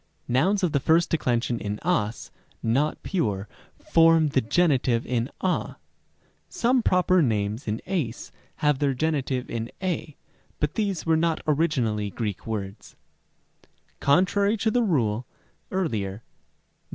Rem. c. Nouns of the first declension in as not pure form the geni tive in a. Some proper names in ys have their genitive in y, but these were not originally Greek words, Rem. d. Contrary to the rule (Rem.